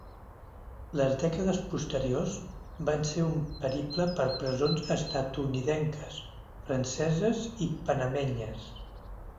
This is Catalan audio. Les dècades posteriors van ser un periple per presons estatunidenques, franceses i panamenyes.